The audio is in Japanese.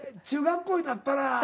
中学校になったら。